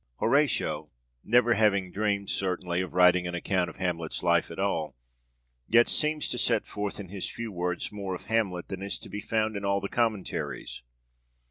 Horatio, never having dreamed, certainly, of writing an account of Hamlet's life at all, yet seems to set forth in his few words more of Hamlet than is to be found in all the commentaries.